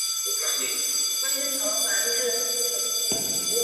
边界道路大致上沿着深圳河的南岸而建。